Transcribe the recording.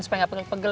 supaya gak pegel